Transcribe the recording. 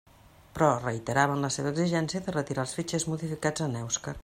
Però reiteraven la seva exigència de retirar els fitxers modificats en èuscar.